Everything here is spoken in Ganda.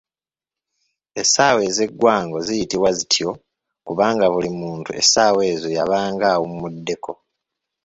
Essaawa ezeggwango ziyitibwa zityo kubanga buli muntu essaawa ezo yabanga awummuddeko.